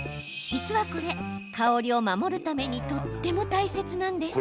実はこれ、香りを守るためにとっても大切なんです。